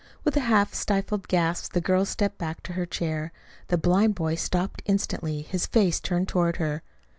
With a half stifled gasp the girl stepped back to her chair. The blind boy stopped instantly, his face turned toward her.